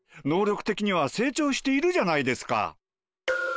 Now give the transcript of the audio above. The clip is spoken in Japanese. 能力的には成長しているじゃないですか。